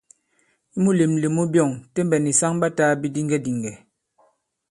I mulèmlèm mu byɔ̂ŋ, Tembɛ̀ nì saŋ ɓa tāā bidiŋgɛdìŋgɛ̀.